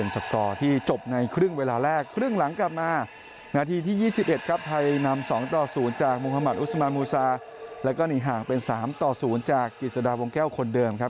ซึ่งมามูซาแล้วก็หนีห่างเป็น๓๐จากกิจศดาวงแก้วคนเดิมครับ